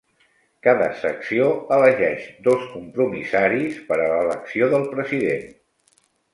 Cada secció elegeix dos compromissaris per a l'elecció del president.